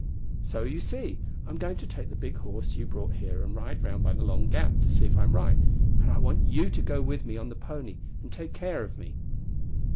"So, you see, I'm going to take the big horse you brought here and ride round by the Long Gap to see if I'm right, and I want you to go with me on the pony and take care of me."